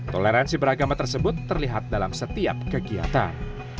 toleransi beragama tersebut terlihat dalam setiap kegiatan